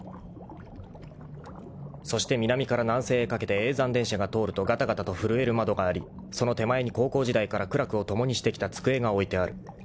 ［そして南から南西へかけて叡山電車が通るとがたがたと震える窓がありその手前に高校時代から苦楽を共にしてきた机が置いてある］